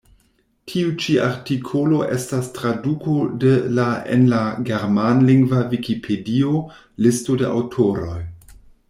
Tiu ĉi artikolo estas traduko de la en la germanlingva vikipedio, listo de aŭtoroj.